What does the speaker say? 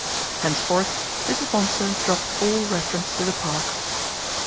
Henceforth, Mrs. Bonsor dropped all reference to the Park.